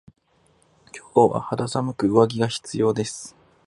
今日は肌寒く上着が必要です。